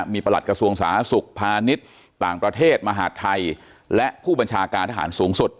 มีประหลัดกระทรวงสาธารณสุขพาณิชย์ต่างประเทศมหาดไทยและผู้บัญชาการทหารสูงสุด